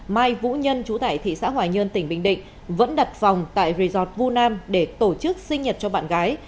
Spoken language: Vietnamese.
mai vũ nhân chú tải thị xã hòa nhơn tỉnh bình định vẫn đặt phòng tại resort vu nam để tổ chức sinh nhật cho bạn gái